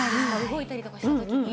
動いたりとかした時に。